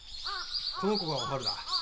この子がおはるだ。